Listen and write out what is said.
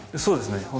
そうですね